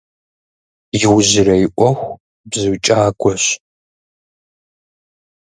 Иужьрей Iуэху бзу кIагуэщ.